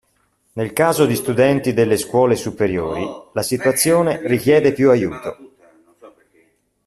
Nel caso di studenti delle scuole superiori la situazione richiede più aiuto.